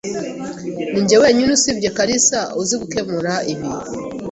Ninjye wenyine usibye kalisa uzi gukemura ibi.